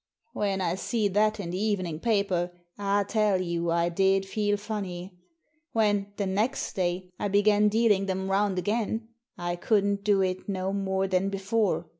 When I see that in the evening paper, I tell you I did feel funny. When, the next day, I beg^n dealing them round again, I couldn't do it no more than before.